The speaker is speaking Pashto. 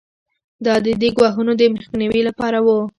دا د دې ګواښونو د مخنیوي لپاره وو.